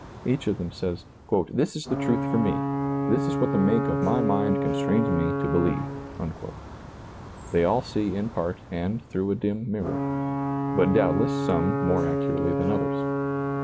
Each of them says, " This is the truth for me ; this is what the make of my mind constrains me to believe." They all see in part and through a dim mirror, but doubtless some more accurately than others.